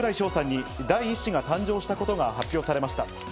嵐の櫻井翔さんに第１子が誕生したことが発表されました。